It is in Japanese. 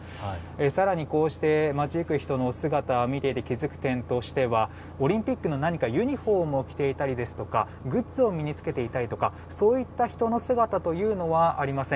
更にこうして待ちゆく人の姿を見て気づく点としてはオリンピックのユニホームを着ていたりですとかグッズを身に着けていたりとかそういった人の姿というのはありません。